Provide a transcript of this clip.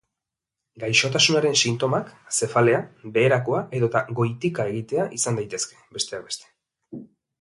Gaixotasunaren sintomak zefalea, beherakoa edota goitika egitea izan daitezke, besteak beste.